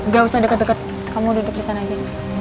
gak usah deket deket kamu duduk di sana aja